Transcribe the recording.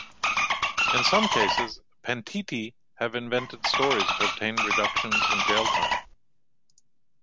In some cases, "pentiti" have invented stories to obtain reductions in jail time.